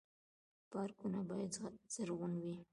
پارکونه باید زرغون وي